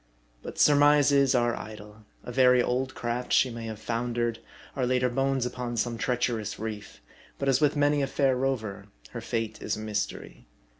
But surmises are idle. A very old craft, she may have foundered; or laid her bones upon some treacherous reef; but as with many a far rover, her fate is a mystery.